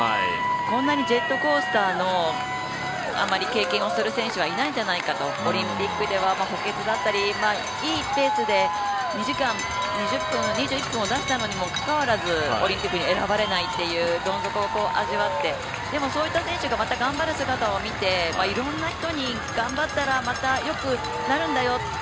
こんなにジェットコースターの経験をする選手はあまりいないんじゃないかとオリンピックでは補欠だったりいいペースで２時間２０分、２１分を出したにもかかわらずオリンピックに選ばれないっていうどん底を味わってでも、そういった選手がまた頑張る姿を見ていろんな人に、頑張ったらまたよくなるんだよ